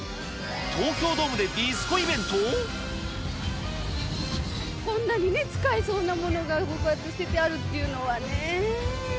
東京ドームでディスコイベンこんなにね、使えそうなものが捨ててあるっていうのはね。